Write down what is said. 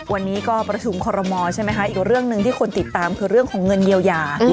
วันนี้ก็ประชุมคอรมอลใช่ไหมคะอีกเรื่องหนึ่งที่คนติดตามคือเรื่องของเงินเยียวยา